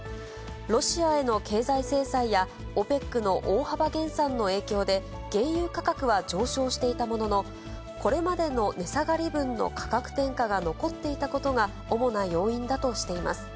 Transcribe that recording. ロシアへの経済制裁や、ＯＰＥＣの大幅減産の影響で、原油価格は上昇していたものの、これまでの値下がり分の価格転嫁が残っていたことが、主な要因だとしています。